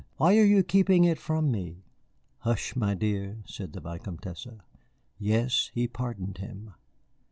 Why are you keeping it from me?" "Hush, my dear," said the Vicomtesse. "Yes, he pardoned him.